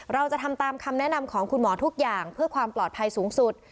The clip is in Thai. เราจะทำตามคำแนะนำของคุณหมอทุกอย่างเพื่อความปลอดภัยสูงสุด